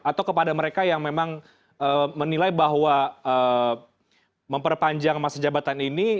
atau kepada mereka yang memang menilai bahwa memperpanjang masa jabatan ini